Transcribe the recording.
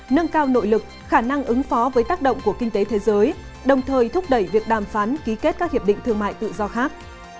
nâng cao nội lực khả năng ứng phó với tác động của kinh tế thế giới đồng thời thúc đẩy việc đàm phán ký kết các hiệp định thương mại tự do khác